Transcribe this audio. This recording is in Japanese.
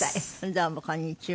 どうもこんにちは。